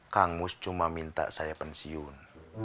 kang mus cuma minta saya pensiun